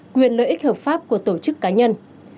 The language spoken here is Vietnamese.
quyền lợi ích hợp pháp của tổ chức cá nhân